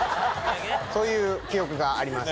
そういう記憶があります。